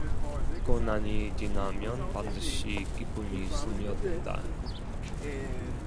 고난이 지나면 반드시 기쁨이 스며든다.